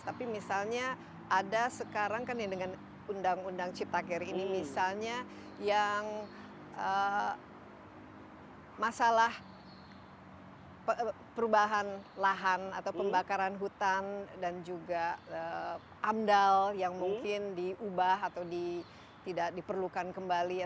tapi misalnya ada sekarang kan dengan undang undang cipta geri ini misalnya yang masalah perubahan lahan atau pembakaran hutan dan juga amdal yang mungkin diubah atau diperlukan kembali